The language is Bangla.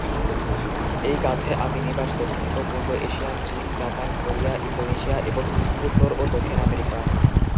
এই গাছে আদি নিবাস দক্ষিণ ও পূর্ব এশিয়ার চীন, জাপান, কোরিয়া, ইন্দোনেশিয়া এবং উত্তর ও দক্ষিণ আমেরিকা।